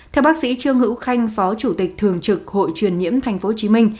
theo bác sĩ trương hữu khanh phó chủ tịch thường trực hội truyền nhiễm tp hcm